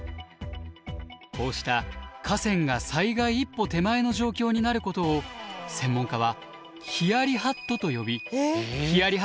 こうした河川が災害一歩手前の状況になることを専門家は「ヒヤリハット」と呼びヒヤリ